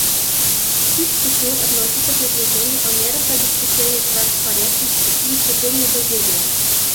К их числу относится предложение о мерах обеспечения транспарентности и укрепления доверия.